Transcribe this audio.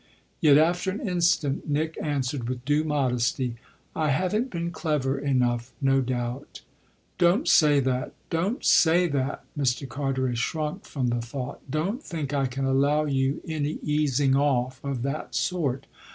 Yet after an instant Nick answered with due modesty: "I haven't been clever enough, no doubt." "Don't say that, don't say that !" Mr. Carteret shrunk from the thought. "Don't think I can allow you any easing off of that sort.